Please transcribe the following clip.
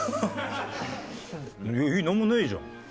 なんもないじゃん。